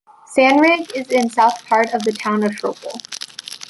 Sand Ridge is in south part of the Town of Schroeppel.